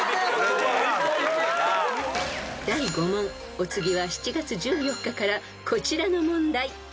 ［お次は７月１４日からこちらの問題］